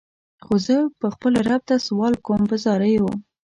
خو زه به خپل رب ته سوال کوم په زاریو.